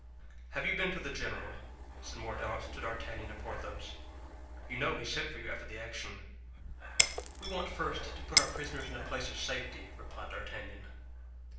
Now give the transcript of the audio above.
Have you been to the general?" said Mordaunt to D'Artagnan and Porthos; "you know he sent for you after the action." "We want first to put our prisoners in a place of safety," replied D'Artagnan.